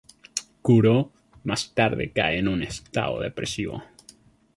Kuro más tarde cae en un estado depresivo.